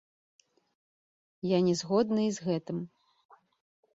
Я не згодны і з гэтым.